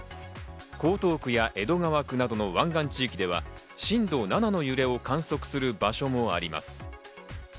江東区や江戸川区などの湾岸地域では、震度７の揺れを観測する場所もあります。